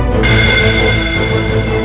aku akan menang